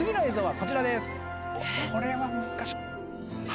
これは難しい。